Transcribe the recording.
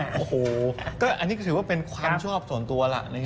โอ้โหอันนี้ก็ถือว่าเป็นความชอบส่วนตัวล่ะ